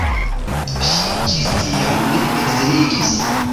Ŝi ĝis tiam ne edziniĝis.